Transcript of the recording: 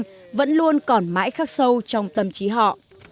những chiến tranh vẫn luôn còn mãi khắc sâu trong tâm trí họ